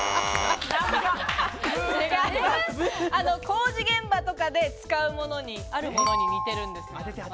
工事現場とかで使うものに、あるものに似てるんです。